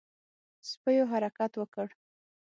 سپيو حرکت وکړ.